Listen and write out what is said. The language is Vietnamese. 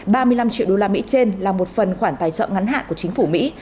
ba mươi năm triệu usd trên là một phần khoản tài trợ ngắn hạn của chính phủ mỹ